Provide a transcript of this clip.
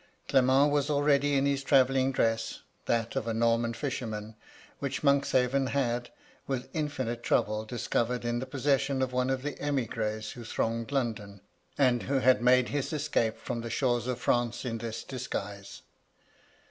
Clement was already in his travelling dress, that of a Norman fisherman, which Monkshaven had, with infinite trouble, discovered in the possession of one of the emigres who thronged London, and who had made his escape from the shores of France in this disguise.